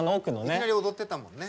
いきなり踊ってたもんね。